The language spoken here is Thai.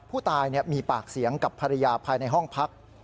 ผู้ตายมีปากเสียงกับภรรยาภายในห้องพัก